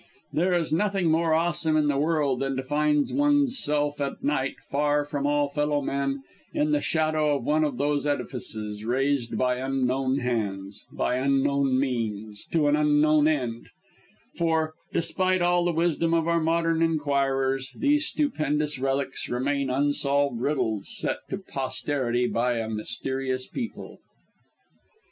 There is nothing more awesome in the world than to find one's self at night, far from all fellow men, in the shadow of one of those edifices raised by unknown hands, by unknown means, to an unknown end; for, despite all the wisdom of our modern inquirers, these stupendous relics remain unsolved riddles set to posterity by a mysterious people.